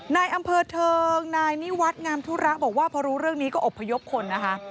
นายอำเภอเทิงนายนิวัฒน์งามธุระบอกว่าพอรู้เรื่องนี้ก็อบพยพคนนะคะ